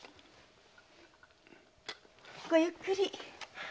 ごゆっくり。